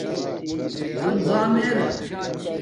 زازم ار